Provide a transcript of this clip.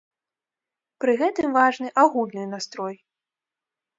Пры гэтым важны агульны настрой.